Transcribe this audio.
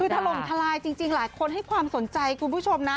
คือถล่มทลายจริงหลายคนให้ความสนใจคุณผู้ชมนะ